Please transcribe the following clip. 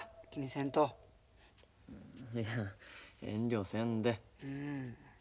いや遠慮せんで。